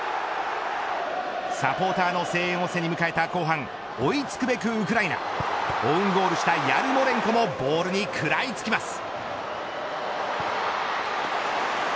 サポーターの声援を背に迎えた後半追い付くべくウクライナオウンゴールしたヤルモレンコもボールに食らいつきます。